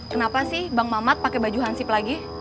kenapa sih bang mamat pakai baju hansip lagi